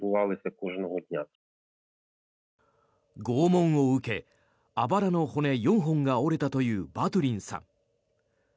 拷問を受けあばらの骨４本が折れたというバトゥリンさん。